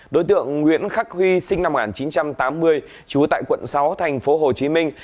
đối tượng nguyễn khắc huy sinh năm một nghìn chín trăm tám mươi trú tại quận sáu thành phố hồ chí minh